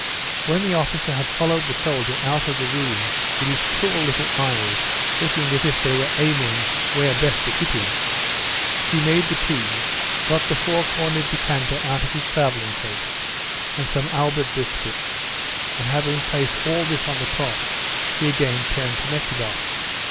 When the officer had followed the soldier out of the room with his cruel little eyes looking as if they were aiming where best to hit him, he made the tea, got the four cornered decanter out of his travelling case and some Albert biscuits, and having placed all this on the cloth he again turned to Nekhludoff.